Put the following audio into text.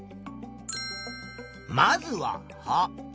まずは葉。